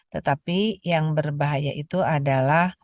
tetapi yang berbahaya itu adalah